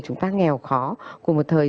chúng ta nghèo khó của một thời